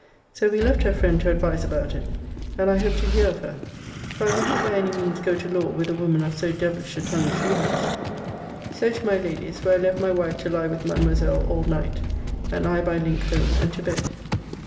So we left her friend to advise about it, and I hope to hear of her, for I would not by any means go to law with a woman of so devilish a tongue as she has. So to my Lady's, where I left my wife to lie with Mademoiselle all night, and I by link home and to bed.